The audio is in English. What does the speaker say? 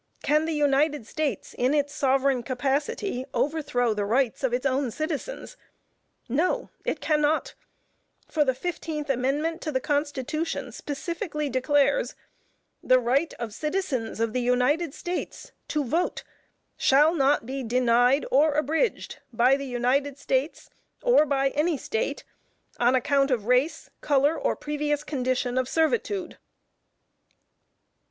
Can the United States, in its sovereign capacity, overthrow the rights of its own citizens? No, it cannot; for the Fifteenth Amendment to the Constitution specifically declares "The right of citizens of the United States to vote, shall not be denied or abridged by the United States, or by any State, on account of race, color, or previous condition of servitude."